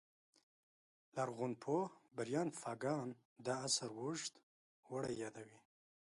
لرغونپوه بریان فاګان دا عصر اوږد اوړی یادوي